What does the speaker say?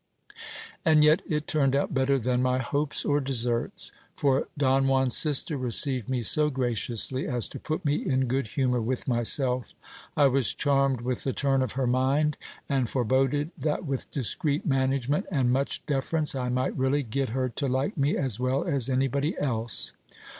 And yet it turned out better than my hopes or deserts ; for Don Juan's sister received me so graciously, as to put me in good humour with myself. I was charmed with the turn of her mind ; and fore boded that with discreet management and much deference, I might really get her to like me as well as anybody else.